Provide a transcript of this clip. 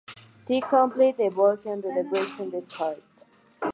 The Complete Book of the British Charts.